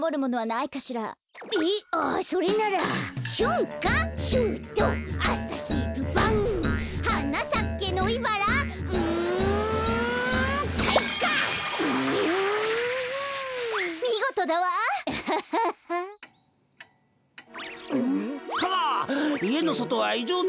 いえのそとはいじょうなしです。